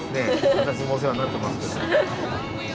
私もお世話になってますけども。